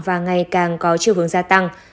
và ngày càng có chiều hướng gia tăng